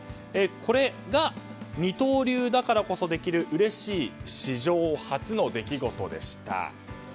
これが二刀流だからこそできるうれしい史上初の出来事でした。